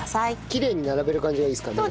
きれいに並べる感じがいいですかね。